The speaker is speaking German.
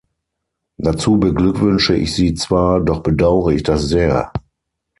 Dazu beglückwünsche ich Sie zwar, doch bedauere ich das sehr.